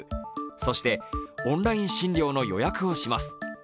そしてオンライン診療の予約をします。